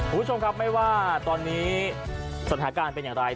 คุณผู้ชมครับไม่ว่าตอนนี้สถานการณ์เป็นอย่างไร